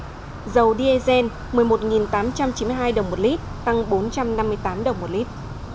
bắt đầu từ một mươi sáu h ngày hôm nay giá xăng tăng hơn sáu trăm linh đồng một lít tăng sáu trăm ba mươi năm đồng một lít